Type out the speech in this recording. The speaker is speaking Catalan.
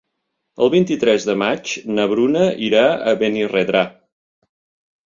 El vint-i-tres de maig na Bruna irà a Benirredrà.